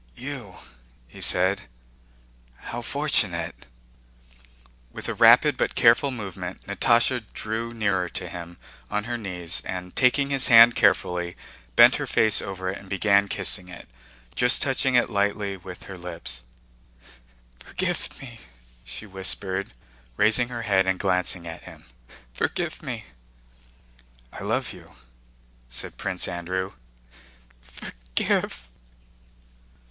"You?" he said. "How fortunate!" With a rapid but careful movement Natásha drew nearer to him on her knees and, taking his hand carefully, bent her face over it and began kissing it, just touching it lightly with her lips. "Forgive me!" she whispered, raising her head and glancing at him. "Forgive me!" "I love you," said Prince Andrew. "Forgive...!"